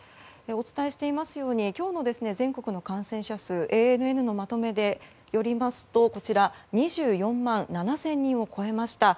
お伝えしていますように今日の全国の感染者数ＡＮＮのまとめによりますと２４万７０００人を超えました。